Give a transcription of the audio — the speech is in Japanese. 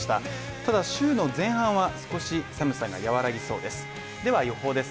ただ週の前半は少し寒さが和らぎそうです。